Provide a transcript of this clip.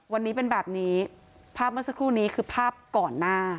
วันนี้เป็นแบบนี้ภาพเมื่อสักครู่นี้คือภาพก่อนหน้า